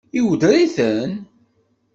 Iweddeṛ-iten?